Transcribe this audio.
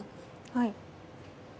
はい。